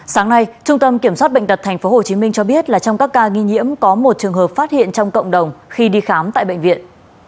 sáng nay trung tâm kiểm soát bệnh tật tp hcm cho biết là trong các ca nghi nhiễm có một trường hợp phát hiện trong cộng đồng khi đi khám tại bệnh viện